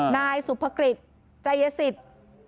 นายสุภกฤษใจสิทธิ์